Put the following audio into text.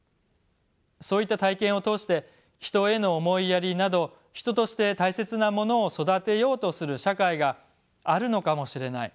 そういった体験を通して人への思いやりなど人として大切なものを育てようとする社会があるのかもしれない。